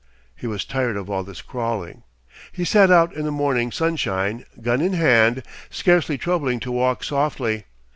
He was tired of all this crawling. He set out in the morning sunshine, gun in hand, scarcely troubling to walk softly.